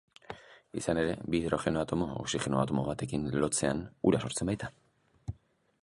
Izan ere, bi Hidrogeno atomo Oxigeno atomo batekin lotzean ura sortzen baita.